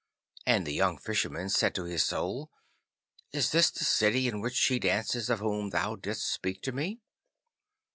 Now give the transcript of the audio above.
And the young Fisherman said to his Soul, 'Is this the city in which she dances of whom thou didst speak to me?